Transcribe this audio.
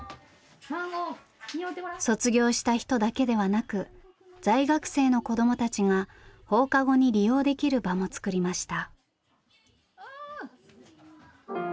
卒業した人だけではなく在学生の子どもたちが放課後に利用できる場もつくりました。